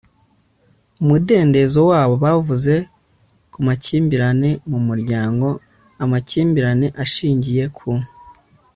umudendezo wabo Bavuze ku makimbirane mu muryango amakimbirane ashingiye ku